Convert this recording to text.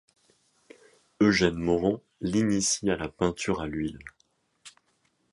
Eugène Morand l’initie à la peinture à l’huile.